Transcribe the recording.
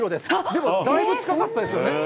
でもだいぶ近かったですよね。